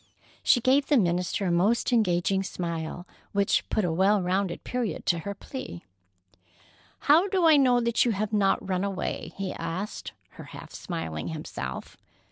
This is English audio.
She gave the minister a most engaging smile, which put a well rounded period to her plea. "How do I know that you have not run away?" he asked her, half smiling himself.